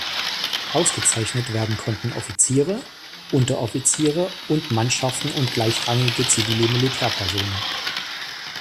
Ausgezeichnet werden konnten Offiziere, Unteroffiziere und Mannschaften und gleichrangige zivile Militärpersonen.